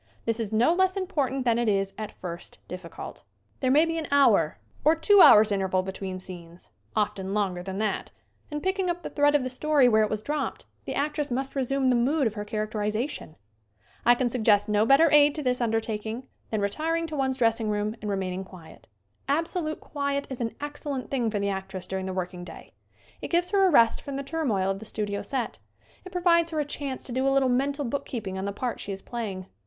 This is no less important than it is at first difficult. There may be an hour or two hours' Nortna Talmadge whose acting is notable for its admirable repression. SCREEN ACTING 87 interval between scenes often longer than that and picking up the thread of the story where it was dropped, the actress must resume the mood of her characterization. I can suggest no better aid to this undertak ing than retiring to one's dressing room and re maining quiet. Absolute quiet is an excellent thing for the actress during the working day. It gives her a rest from the turmoil of the studio set. It provides her a chance to do a little mental bookkeeping on the part she is playing.